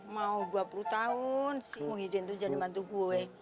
mau dua puluh tahun si muhyiddin tuh jadi mantu gue